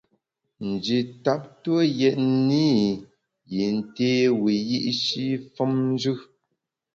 Nji tap tue yètne i yin té wiyi’shi femnjù.